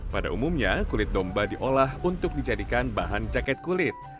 pada umumnya kulit domba diolah untuk dijadikan bahan jaket kulit